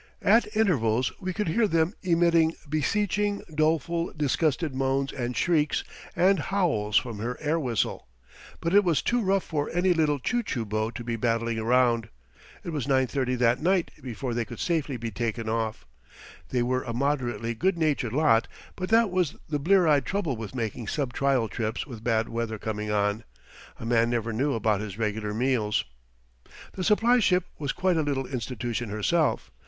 At intervals we could hear them emitting beseeching, doleful, disgusted moans and shrieks and howls from her air whistle. But it was too rough for any little choo choo boat to be battling around. It was 9.30 that night before they could safely be taken off. They were a moderately good natured lot; but that was the blear eyed trouble with making sub trial trips with bad weather coming on a man never knew about his regular meals. The supply ship was quite a little institution herself.